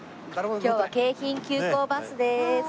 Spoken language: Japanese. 今日は京浜急行バスです。